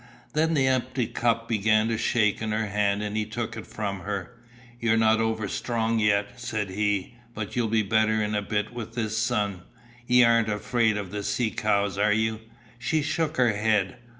Then the empty cup began to shake in her hand and he took it from her. "You're not over strong yet," said he, "but you'll be better in a bit with this sun. Y'aren't afraid of the sea cows, are you?" She shook her head.